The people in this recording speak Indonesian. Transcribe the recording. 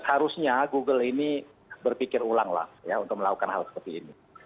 dua ribu tiga belas harusnya google ini berpikir ulang lah ya untuk melakukan hal seperti ini